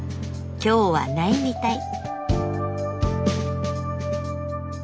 今日はないみたい。